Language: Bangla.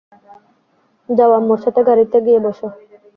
যাও, আম্মুর সাথে গাড়িতে গিয়ে বসো।